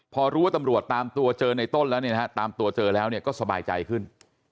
พอรู้ว่าตำรวจตามตัวเจอในต้นแล้วเนี่ยนะฮะตามตัวเจอแล้วเนี่ยก็สบายใจขึ้น